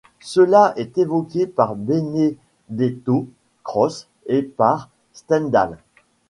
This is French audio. Cela est évoqué par Benedetto Croce et par Stendhal.